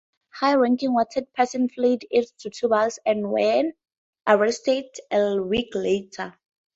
High-ranking wanted persons fled east to Tubas, and were arrested a week later.